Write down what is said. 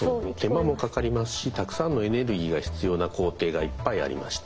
手間もかかりますしたくさんのエネルギーが必要な工程がいっぱいありまして。